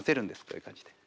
こういう感じで。